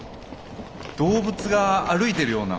動物が歩いてるような。